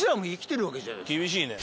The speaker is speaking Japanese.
厳しいね。